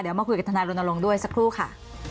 เดี๋ยวมาคุยกับทนายรณรงค์ด้วยสักครู่ค่ะ